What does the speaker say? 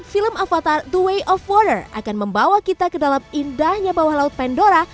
film avatar the way of water akan membawa kita ke dalam indahnya bawah laut pandora